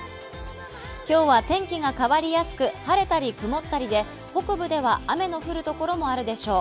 今日は天気が変わりやすく晴れたり曇ったりで北部では雨の降る所もあるでしょう。